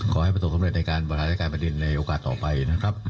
ขอให้ประสบความเร็จในการบริหารรายการประเด็นในโอกาสต่อไปนะครับ